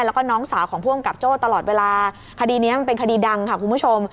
แล้วก็น้องสาวของผู้กำกับโจ้ตลอดเวลาคดีนี้มันเป็นคดีดังค่ะคุณผู้ชม